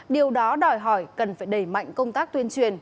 điều đó đòi hỏi cần phải đẩy mạnh công tác tuyên truyền